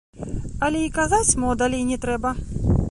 Але й казаць мо далей не трэба?